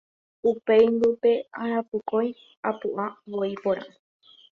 Upéingo pe arapokõi apu'ã voi porã.